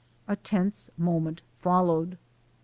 A tense moment followed.